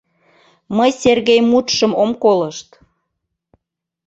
Мый Сергей мутшым ом колышт.